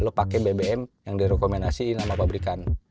lu pakai bbm yang direkomendasiin sama pabrikan